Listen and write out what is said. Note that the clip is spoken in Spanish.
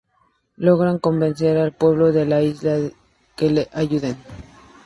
Lograron convencer al pueblo de la isla de que les ayuden.